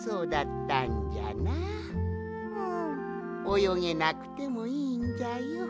およげなくてもいいんじゃよ。